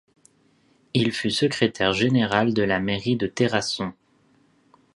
Il fut secrétaire général de la mairie de Terrasson.